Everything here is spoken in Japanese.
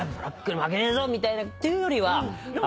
ＢＬＡＣＫに負けねえぞみたいなっていうよりは。